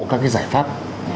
các cái giải pháp